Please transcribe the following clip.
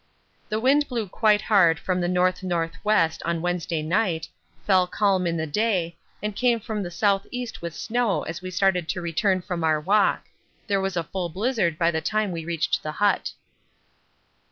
The wind blew quite hard from the N.N.W. on Wednesday night, fell calm in the day, and came from the S.E. with snow as we started to return from our walk; there was a full blizzard by the time we reached the hut.